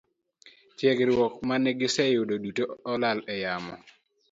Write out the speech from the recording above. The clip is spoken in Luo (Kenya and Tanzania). Tiegruok mane giseyudo duto nolal e yamo.